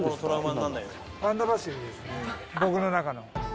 僕の中の。